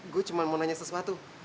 gue cuma mau nanya sesuatu